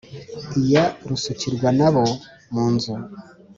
Iya rusukirwa n'abo mu nzu.